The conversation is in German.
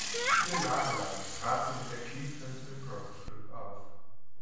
Vier Jahre lang trat sie mit der Cleveland Improv Troupe auf.